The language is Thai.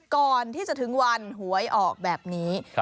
ก่อนที่จะถึงวันหวยออกแบบนี้